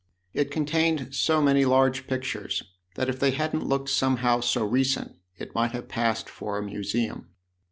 It contained so many large pictures that if they hadn't looked somehow so recent it might have passed for a museum.